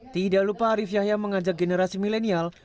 tidak lupa arief yahya mengajak generasi milenial